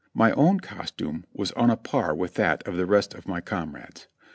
My own costume was on a par with that of the rest of my com rades.